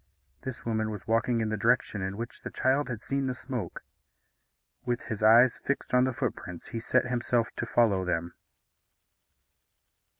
This woman was walking in the direction in which the child had seen the smoke. With his eyes fixed on the footprints, he set himself to follow them.